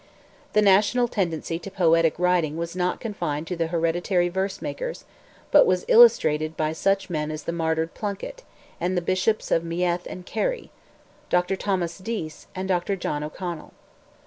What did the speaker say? The national tendency to poetic writing was not confined to the hereditary verse makers, but was illustrated by such men as the martyred Plunkett, and the Bishops of Meath and Kerry—Dr. Thomas Dease, and Dr. John O'Connell.